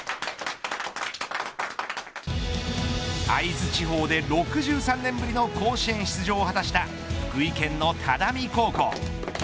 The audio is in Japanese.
会津地方で６３年ぶりの甲子園出場を果たした福井県の只見高校。